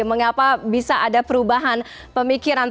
mengapa bisa ada perubahan pemikiran